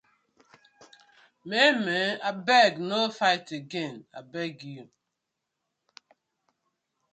Maymay abeg no fight again abeg yu.